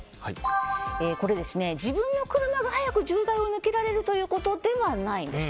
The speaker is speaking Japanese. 自分の車が早く渋滞を抜けられるということではないんです。